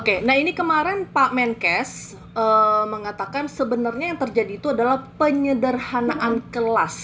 oke nah ini kemarin pak menkes mengatakan sebenarnya yang terjadi itu adalah penyederhanaan kelas